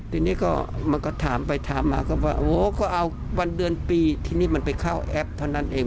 ทีนี้ก็มันก็ถามไปถามมาก็ว่าโอ้ก็เอาวันเดือนปีทีนี้มันไปเข้าแอปเท่านั้นเอง